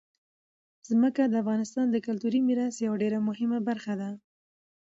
ځمکه د افغانستان د کلتوري میراث یوه ډېره مهمه برخه ده.